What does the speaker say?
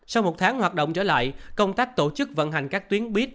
sau một tháng hoạt động trở lại công tác tổ chức vận hành các tuyến buýt